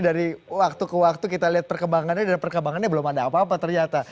dari waktu ke waktu kita lihat perkembangannya dan perkembangannya belum ada apa apa ternyata